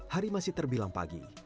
hari masih terbilang pagi